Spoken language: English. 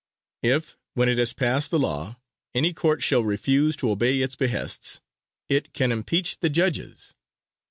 If, when it has passed a law, any Court shall refuse to obey its behests, it can impeach the judges.